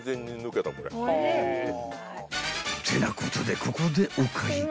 ［ってなことでここでお会計］